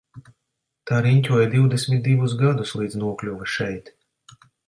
Tā riņķoja divdesmit divus gadus līdz nokļuva šeit.